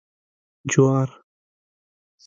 🌽 جوار